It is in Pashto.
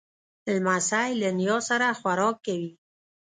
لمسی له نیا سره خوراک کوي.